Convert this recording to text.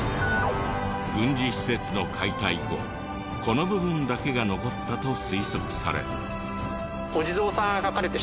軍事施設の解体後この部分だけが残ったと推測され。